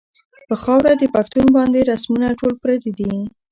پۀ خاؤره د پښتون باندې رسمونه ټول پردي دي